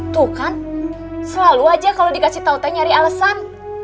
tuh kan selalu aja kalau dikasih tau tau nyari alasan